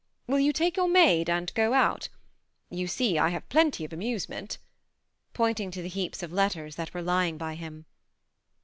Will you take your maid, and go out? You see I. have plenty of amusement," pointing to the heaps of letters that were lying by him.